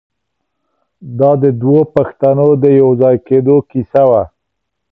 دا د دوو پښتنو د یو ځای کېدو کیسه وه.